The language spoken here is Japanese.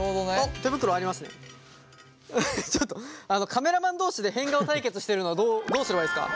フフッちょっとカメラマン同士で変顔対決してるのどうすればいいですか？